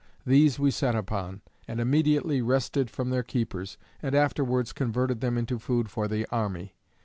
These we set upon, and immediately wrested from their keepers, and afterwards converted them into food for the army.